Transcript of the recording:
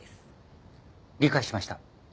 理解しました。